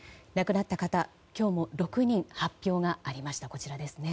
亡くなった方、今日も６人発表がありました。